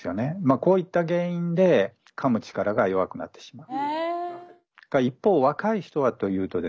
こういった原因でかむ力が弱くなってしまう。